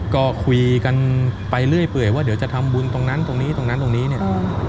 ก็คุยกันไปเรื่อยเปื่อยว่าเดี๋ยวจะทำบุญตรงนั้นตรงนี้ตรงนั้นตรงนี้เนี่ย